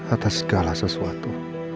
atas segala sesuatu